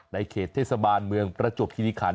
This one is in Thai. ในเขตเทศบาลเมืองประจวบคิริขัน